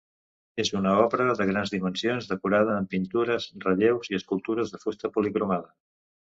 És una obra de grans dimensions decorada amb pintures, relleus i escultures de fusta policromada.